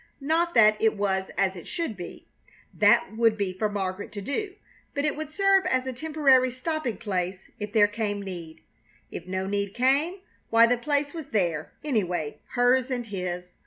Not that it was as it should be. That would be for Margaret to do, but it would serve as a temporary stopping place if there came need. If no need came, why, the place was there, anyway, hers and his.